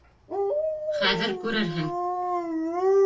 — Хәҙер күрерһең.